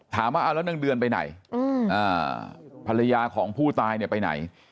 ถามว่าเอาแล้วนางเดือนไปไหนภรรยาของผู้ตายเนี่ยไปไหน